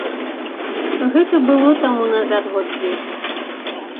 Гэта было таму назад год дзесяць.